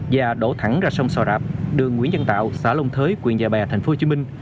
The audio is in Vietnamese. và đổ thẳng ra sông sò rạp đường nguyễn nhân tạo xã lông thới quyền nhà bè tp hcm